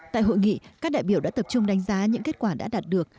tại hội nghị các đại biểu đã tập trung đánh giá những kết quả đã đạt được